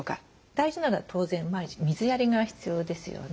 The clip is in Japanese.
大事なのは当然毎日水やりが必要ですよね。